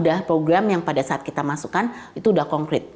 dan juga program yang pada saat kita masukkan itu udah konkret